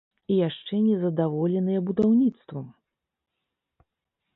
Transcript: І яшчэ незадаволеныя будаўніцтвам!